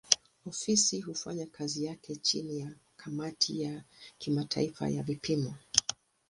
Ofisi hufanya kazi yake chini ya kamati ya kimataifa ya vipimo.